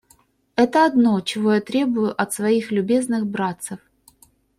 Это одно, чего я требую от своих любезных братцев.